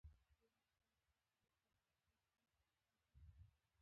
یو, دوه, درې, څلور, پنځه, شپږ, اووه, اته, نهه, لس